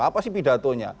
apa sih pidatonya